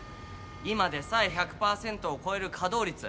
今でさえ１００パーセントをこえるかどうりつ。